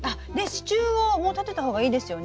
支柱をもう立てた方がいいですよね。